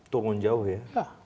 turun jauh ya